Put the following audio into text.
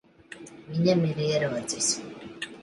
Viņam ir ierocis.